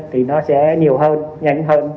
thì nó sẽ nhiều hơn nhanh hơn